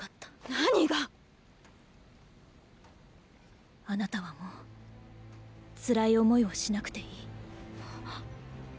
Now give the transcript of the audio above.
何が⁉あなたはもう辛い思いをしなくていい。っ！